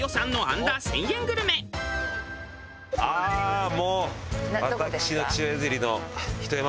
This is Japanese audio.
ああーもう。